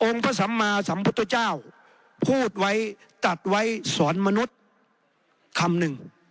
พระสัมมาสัมพุทธเจ้าพูดไว้ตัดไว้สอนมนุษย์คำหนึ่ง